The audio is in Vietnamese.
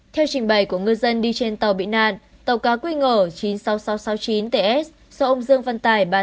theo trình bày của ngư dân đi trên tàu bị nạn tàu cá q chín mươi sáu nghìn sáu trăm sáu mươi chín ts do ông dương văn tài